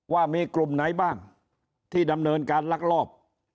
ว่ามีกลุ่มไหนบ้างที่ดำเนินการลักลอบ